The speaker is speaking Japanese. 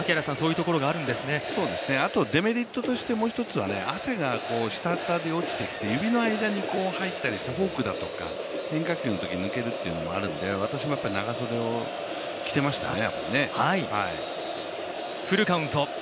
あとデメリットとしてもう一つは、汗がしたたり落ちてきて指の間に入ったりしたフォークだとか変化球のときに抜けるっていうのがあるので、私はやっぱり長袖を着ていましたね。